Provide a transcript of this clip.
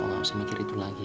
kau gak usah mikir itu lagi ya